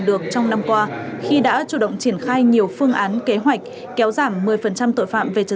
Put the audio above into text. được trong năm qua khi đã chủ động triển khai nhiều phương án kế hoạch kéo giảm một mươi tội phạm về trật